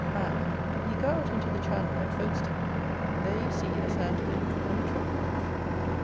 And, if you go out into the channel, at Folkestone, there you see a sand cliff and a chalk cliff.